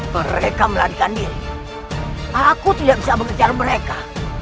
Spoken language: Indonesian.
mereka melarikan diri aku tidak bisa bekerja mereka